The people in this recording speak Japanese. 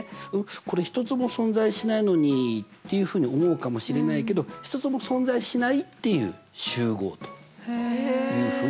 「これ１つも存在しないのに」っていうふうに思うかもしれないけど１つも存在しないっていう集合というふうに考えますね。